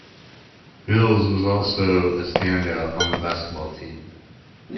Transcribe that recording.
Mills was also a standout on the basketball team.